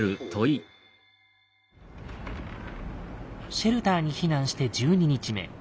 シェルターに避難して１２日目。